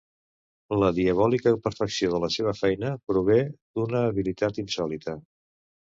La diabòlica perfecció de la seva feina prové d'una habilitat insòlita.